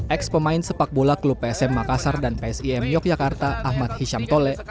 ex pemain sepak bola klub psm makassar dan psim yogyakarta ahmad hisham tole